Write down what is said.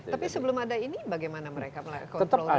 tapi sebelum ada ini bagaimana mereka melihat control room itu